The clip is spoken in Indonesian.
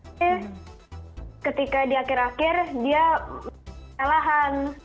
oke ketika di akhir akhir dia kalahan